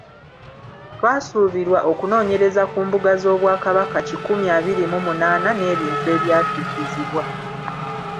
Twasuubirwa okunoonyereza ku mbuga z’Obwakabaka kimumi abiri mu munaana n’ebintu ebyatuddizibwa.